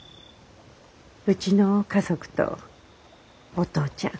うちの家族とお父ちゃん。